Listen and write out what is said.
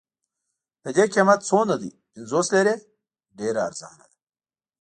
د دې قیمت څومره دی؟ پنځوس لیرې، ډېره ارزانه ده.